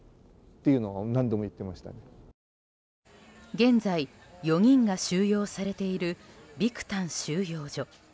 現在、４人が収容されているビクタン収容所。